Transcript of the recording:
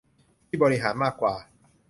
ที่บริหารมากว่า